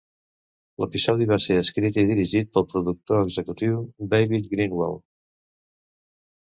L'episodi va ser escrit i dirigit pel productor executiu David Greenwalt.